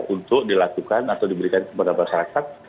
untuk dilakukan atau diberikan kepada masyarakat